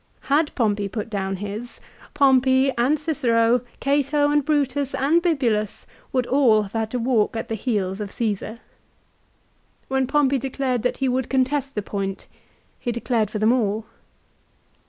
Had Pompey put down his, Pompey, and Cicero, Cato and Brutus, and Bibulus, would all have had to walk at the heels of Caesar. "When Pompey declared that he would contest the point he declared for them all.